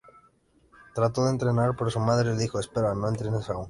Trató de entrar, pero su madre le dijo: "Espera, no entres aún.